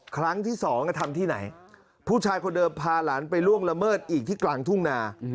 ครั้งที่สองทำที่ไหนผู้ชายคนเดิมพาหลานไปล่วงละเมิดอีกที่กลางทุ่งนา